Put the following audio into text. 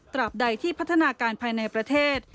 บใดที่พัฒนาการภายในประเทศ